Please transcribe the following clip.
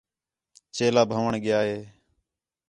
چیلا بھن٘ؤݨ ڳِیا ہِے